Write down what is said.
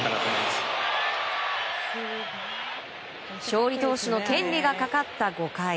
勝利投手の権利がかかった５回。